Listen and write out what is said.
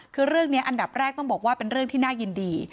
คือเรื่องนี้อันดับแรกต้องบอกว่าเป็นเรื่องที่น่ายินดี